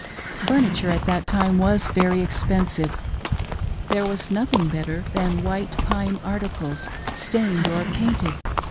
Furniture at that time was very expensive ; there was nothing better than white pine articles — stained or painted.